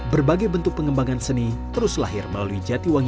berbagai bentuk pengembangan seni terus lahir melalui jatiwangi